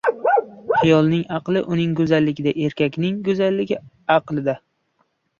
• Ayolning aqli — uning go‘zalligida, erkakning go‘zalligi — aqlida.